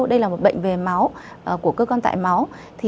đây là một bệnh về máu của cơ quan tại máu